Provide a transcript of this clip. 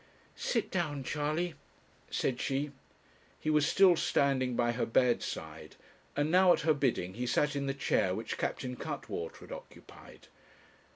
'Sit down, Charley,' said she; he was still standing by her bedside, and now at her bidding he sat in the chair which Captain Cuttwater had occupied.